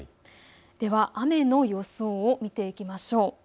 では雨の予想を見ていきましょう。